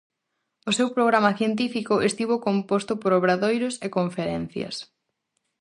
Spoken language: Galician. O seu programa científico estivo composto por obradoiros e conferencias.